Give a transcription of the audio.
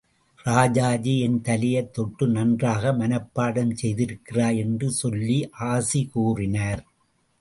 ராஜாஜி என் தலையைத் தொட்டு நன்றாக மனப்பாடம் செய்திருக்கிறாய் என்று சொல்லி ஆசி கூறினார்.